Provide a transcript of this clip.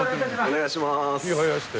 お願いしまーす。